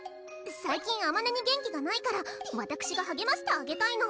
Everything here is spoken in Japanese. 「最近あまねに元気がないからわたくしがはげましてあげたいの」